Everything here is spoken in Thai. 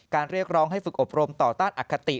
การเรียกร้องให้ฝึกอบรมต่อแรงอคติ